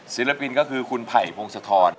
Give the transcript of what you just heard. ศิลปินคือคุณไผฮโพงสะทร